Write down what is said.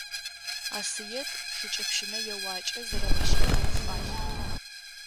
Асыет шыкӀэпщынэ еуакӀэ зэригъэшӀэнэу фай.